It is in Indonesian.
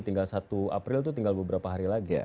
tinggal satu april itu tinggal beberapa hari lagi